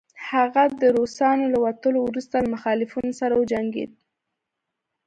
هغه د روسانو له وتلو وروسته له مخالفينو سره وجنګيد